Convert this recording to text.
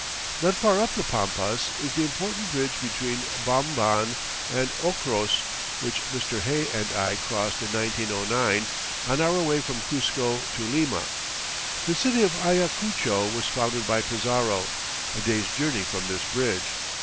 Not far up the Pampas is the important bridge between Bom bon and Ocros, which Mr. Hay and I crossed in 1909 on our way from Cuzco to Lima. The city of Ayacucho was founded by Pizarro, a day's journey from this bridge.